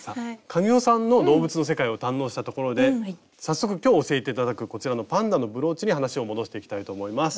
神尾さんの動物の世界を堪能したところで早速今日教えて頂くこちらのパンダのブローチに話を戻していきたいと思います。